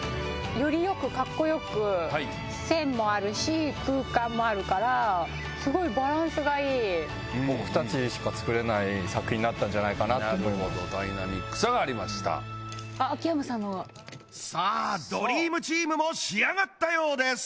よりよくかっこよく線もあるし空間もあるからすごいバランスがいい作品になったんじゃないかなとダイナミックさがありましたあっ秋山さんのがさあドリームチームも仕上がったようです！